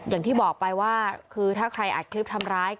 อย่างที่บอกไปว่าคือถ้าใครอัดคลิปทำร้าย